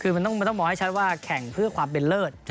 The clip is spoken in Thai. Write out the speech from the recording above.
คือมันต้องมองให้ชัดว่าแข่งเพื่อความเป็นเลิศ